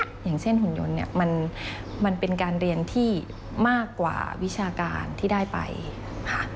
อย่างเช่นหุ่นยนต์เนี่ยมันเป็นการเรียนที่มากกว่าวิชาการที่ได้ไปค่ะ